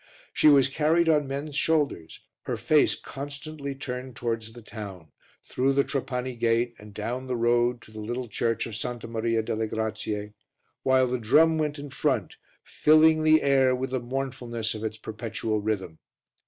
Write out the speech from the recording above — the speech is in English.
She was carried on men's shoulders, her face constantly turned towards the town, through the Trapani gate and down the road to the little church of Santa Maria delle Grazie, while the drum went in front, filling the air with the mournfulness of its perpetual rhythm.